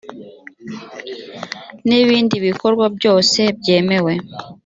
n ibindi bikorwa byose byemewe